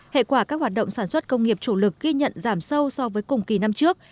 hệ quả các hoạt động sản xuất công nghiệp chủ lực ghi nhận giảm sâu so với cùng kỳ năm trước